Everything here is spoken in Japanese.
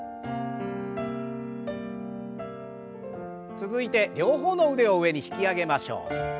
続いて両方の腕を上に引き上げましょう。